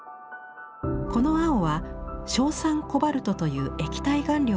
この青は硝酸コバルトという液体顔料によるもの。